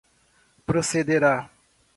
procederá